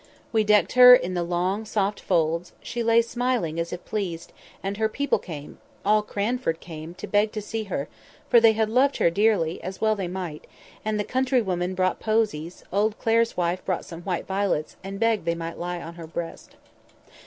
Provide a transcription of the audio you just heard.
We decked her in the long soft folds; she lay smiling, as if pleased; and people came—all Cranford came—to beg to see her, for they had loved her dearly, as well they might; and the countrywomen brought posies; old Clare's wife brought some white violets and begged they might lie on her breast.